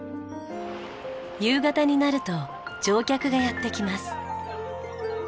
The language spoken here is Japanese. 夕方になると乗客がやって来ます。